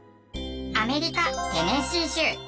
アメリカテネシー州。